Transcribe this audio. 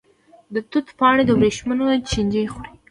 د توت پاڼې د وریښمو چینجی خوري.